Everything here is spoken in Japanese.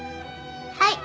はい！